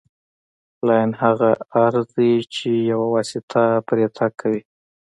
لاین هغه عرض دی چې یوه واسطه پرې تګ کوي